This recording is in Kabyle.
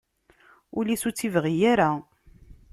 Ul-is ur tt-ibɣi ara.